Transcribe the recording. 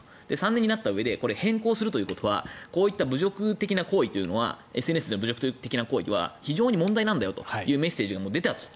３年になったうえで変更するということはこういう侮辱的な行為というのはＳＮＳ上での侮辱的行為は非常に問題だというメッセージが出たと。